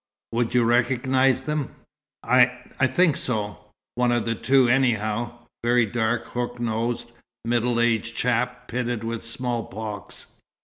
"Would you recognize them?" "I think so. One of the two, anyhow. Very dark, hook nosed, middle aged chap, pitted with smallpox."